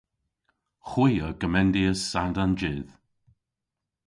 Hwi a gomendyas sand an jydh.